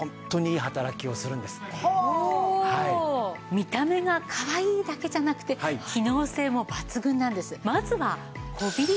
見た目がかわいいだけじゃなくて機能性も抜群なんです。